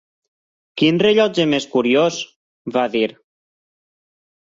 "Quin rellotge més curiós!", va dir.